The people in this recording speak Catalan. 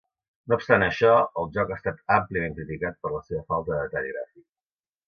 No obstant això, el joc ha estat àmpliament criticat per la seva falta de detall gràfic.